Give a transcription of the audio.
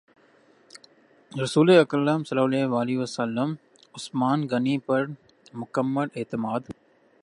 رسول اکرم صلی اللہ علیہ وسلم عثمان غنی پر مکمل اعتماد